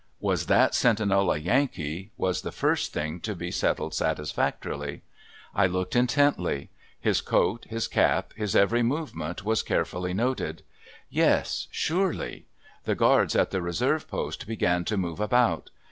Was that sentinel a Yankee was the first thing to be settled satisfactorily? I looked intently. His coat, his cap, his every movement was carefully noted. Yes, surely. The guards at the reserve post began to move about.